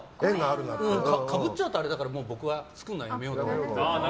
かぶっちゃうとあれだから僕は作るのやめようと。